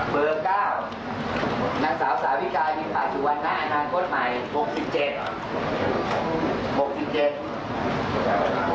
เบอร์๙นักศึกษาสาวิชายินภาษีวัณธ์ณอันทรัพย์โบ๊ทใหม่๖๗